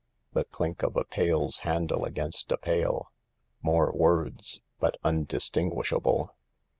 The clink of a pail's handle against a pail. More words, but undistinguishable.